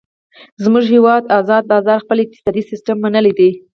زمونږ هیواد ازاد بازار خپل اقتصادي سیستم منلی دی.